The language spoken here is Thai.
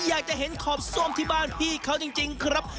อยากจะเห็นขอบส้มที่บ้านพี่เขาจริงครับ